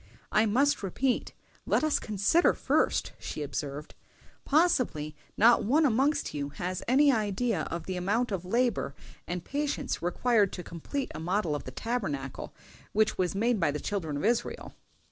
"I must repeat, let us consider first," she observed. "Possibly not one amongst you has any idea of the amount of labor and patience required to complete a model of the Tabernacle which was made by the children of Israel."